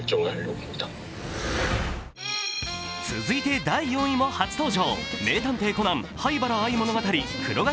続いて第４位も初登場。